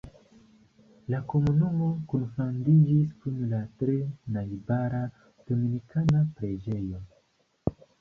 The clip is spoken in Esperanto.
La komunumo kunfandiĝis kun la tre najbara Dominikana preĝejo.